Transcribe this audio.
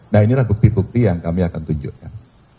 nah inilah bukti bukti yang kami akan tunjukkan